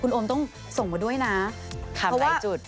คุณโอมต้องส่งมาด้วยนะผมว่าคำไรจุด